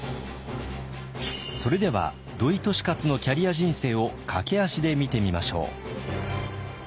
それでは土井利勝のキャリア人生を駆け足で見てみましょう。